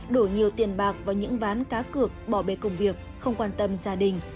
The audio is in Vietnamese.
đổ nhiều tiền bạc vào những ván cá cực bỏ bề công việc không quan tâm gia đình